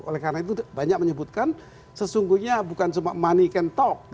oleh karena itu banyak menyebutkan sesungguhnya bukan cuma money can talk